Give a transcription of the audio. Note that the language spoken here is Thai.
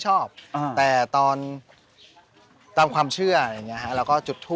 ชื่องนี้ชื่องนี้ชื่องนี้ชื่องนี้ชื่องนี้ชื่องนี้